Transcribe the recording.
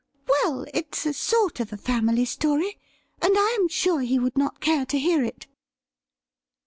' Well, it's a sort of a family story, and I am sure he would not care to hear it.'